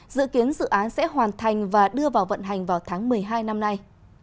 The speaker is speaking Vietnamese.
dự kiến dự án sẽ hoàn thành và đưa vào vận hành vào tháng một mươi hai năm nay